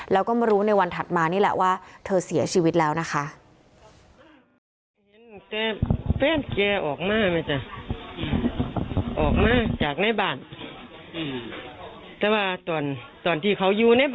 แล้วก็มารู้ในวันถัดมานี่แหละว่าเธอเสียชีวิตแล้วนะคะ